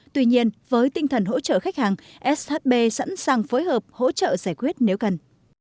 tuy nhiên với tinh thần hỗ trợ khách hàng shb sẵn sàng phối hợp hỗ trợ giải quyết nếu cần